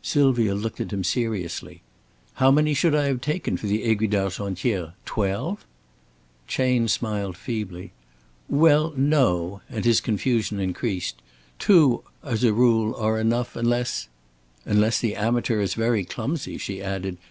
Sylvia looked at him seriously. "How many should I have taken for the Aiguille d'Argentière? Twelve?" Chayne smiled feebly. "Well, no," and his confusion increased. "Two, as a rule, are enough unless " "Unless the amateur is very clumsy," she added.